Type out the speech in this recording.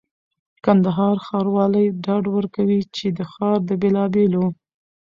کندهار ښاروالي ډاډ ورکوي چي د ښار د بېلابېلو